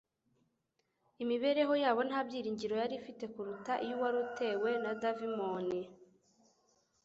Imibereho yabo nta byiringiro yari ifite kuruta iy'uwari utewe na davimoni;